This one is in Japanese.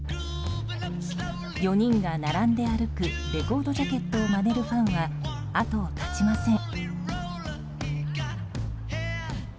４人が並んで歩くレコードジャケットをまねるファンは後を絶ちません。